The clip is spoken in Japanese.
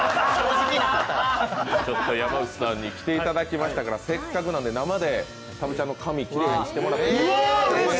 ちょっと山内さんに来ていただきましたからせっかくなので、生でたぶっちゃんの髪、きれいにしていただいて。